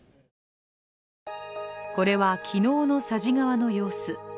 これは、昨日の佐治川の様子。